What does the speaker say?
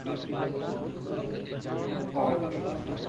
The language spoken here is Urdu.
اور ممکن ہے کہ ان ٹیموں کو مستقبل کے حوالے سے کچھ ٹیلنٹ بھی میسر آجائے